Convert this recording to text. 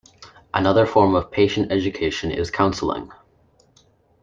Another form of patient education is counseling.